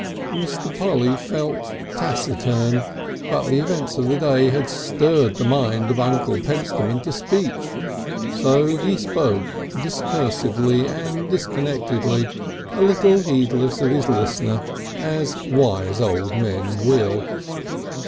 Mr. Polly felt taciturn, but the events of the day had stirred the mind of Uncle Pentstemon to speech. And so he spoke, discursively and disconnectedly, a little heedless of his listener as wise old men will.